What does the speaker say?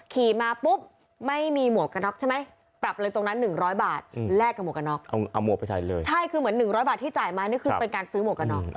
ขี่มาปุ๊บไม่มีหมวกกันน็อกใช่ไหม